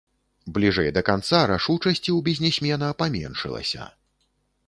Бліжэй да канца рашучасці у бізнесмена паменшылася.